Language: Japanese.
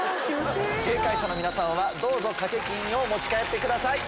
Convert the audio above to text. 正解者の皆さんはどうぞ賭け金を持ち帰ってください。